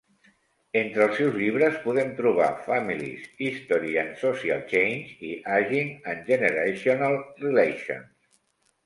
Entre els seus llibres podem trobar "Families, History and Social Change" i "Aging and Generational Relations".